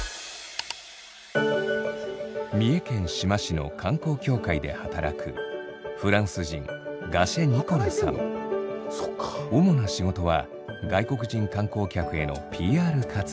三重県志摩市の観光協会で働くフランス人主な仕事は外国人観光客へのＰＲ活動。